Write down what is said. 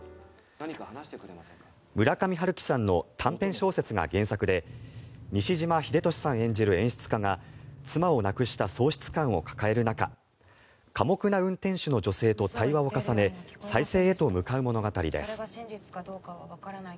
村上春樹さんの短編小説が原作で西島秀俊さん演じる演出家が妻を亡くした喪失感を抱える中寡黙な運転手の女性と対話を重ね再生へと向かう物語です。